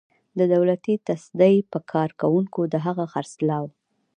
د دولتي تصدۍ په کارکوونکو د هغه خرڅلاو.